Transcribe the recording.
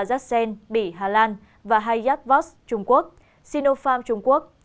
janssen bỉ hà lan hayat vox trung quốc sinopharm trung quốc